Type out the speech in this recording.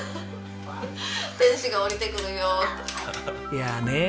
いやあ！ねえ。